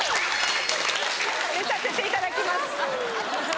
寝させていただきます。